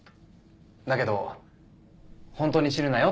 「だけど本当に死ぬなよ」